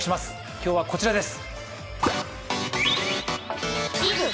今日はこちらです。